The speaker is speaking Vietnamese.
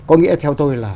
có nghĩa theo tôi là